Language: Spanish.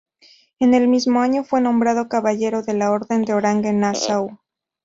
En el mismo año, fue nombrado caballero en la Orden de Orange-Nassau.